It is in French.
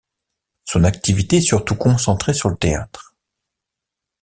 Son activité est surtout concentrée sur le théâtre.